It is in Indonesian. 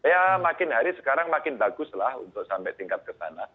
ya makin hari sekarang makin baguslah untuk sampai tingkat kesana